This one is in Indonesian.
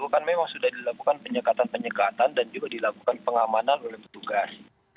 kan memang sudah dilakukan penyekatan penyekatan dan juga dilakukan pengamanan oleh petugas